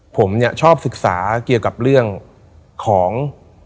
ผมเนี่ยชอบศึกษาเกี่ยวกับเรื่องของ